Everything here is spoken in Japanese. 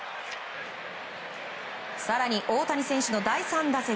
更に大谷選手の第３打席。